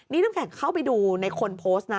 นี่ตั้งแต่เข้าไปดูในคนโพสต์นะ